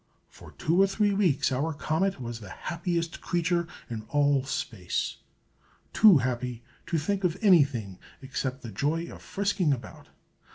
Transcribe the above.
For two or three weeks our comet was the happiest creature in all space; too happy to think of anything except the joy of frisking about.